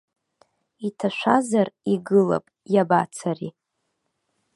Иҭашәазар игылап, иабацари.